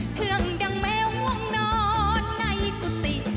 เชื่องดังแมวง่วงนอนในกุฏิ